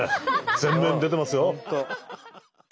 前面に出てますよ。